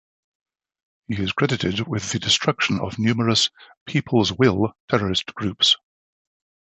He is credited with the destruction of numerous "People's Will" terrorist groups.